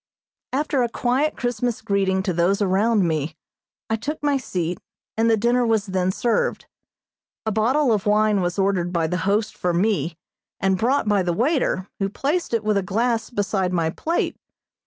After a quiet Christmas greeting to those around me, I took my seat, and the dinner was then served. A bottle of wine was ordered by the host for me, and brought by the waiter, who placed it with a glass beside my plate.